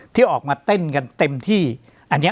ที่ออกมาเต้นกันเต็มที่อันเนี้ย